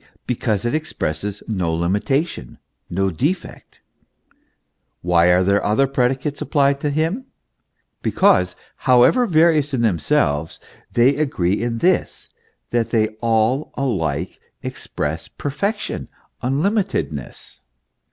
because it expresses no limitation, no defect, Why are other predicates applied to Him ? Because, however various in themselves, they agree in this, that they all alike ex press perfection, unlimitedness.